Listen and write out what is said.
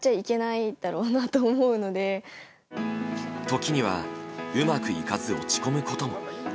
時にはうまくいかず落ち込むことも。